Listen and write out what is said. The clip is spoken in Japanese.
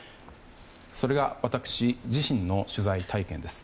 それが私自身の取材体験です。